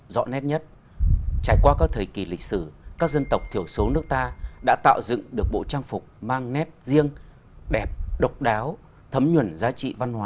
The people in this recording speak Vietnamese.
rõ ràng các bạn có thể nhận được những bản sắc dân tộc của bạc liêu